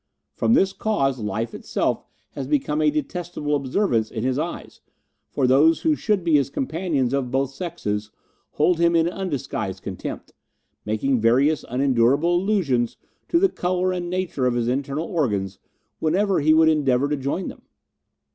From this cause life itself has become a detestable observance in his eyes, for those who should be his companions of both sexes hold him in undisguised contempt, making various unendurable allusions to the colour and nature of his internal organs whenever he would endeavour to join them.